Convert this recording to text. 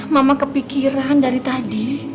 mama kepikiran dari tadi